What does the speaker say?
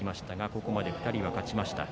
ここまで２人が勝ちました。